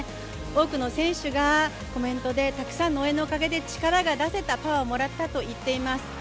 多くの選手がコメントでたくさんの応援のおかげで力を出せた、パワーをもらったと言っています。